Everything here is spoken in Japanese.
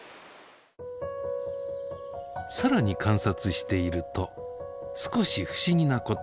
さらに観察していると少し不思議なことに気が付きます。